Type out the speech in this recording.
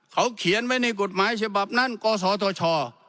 เขาเขียนไว้ในกฎหมายฉบับนั้นกศธช